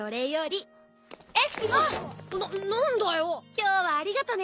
今日はありがとね！